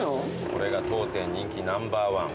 これが当店人気ナンバーワン。